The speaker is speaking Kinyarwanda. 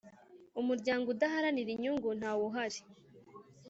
Umuryango udaharanira inyungu ntawuhari.